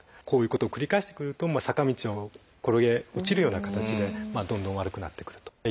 こういうことを繰り返してくると坂道を転げ落ちるような形でどんどん悪くなってくると。